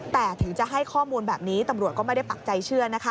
แต่ถึงจะให้ข้อมูลแบบนี้ตำรวจก็ไม่ได้ปักใจเชื่อนะคะ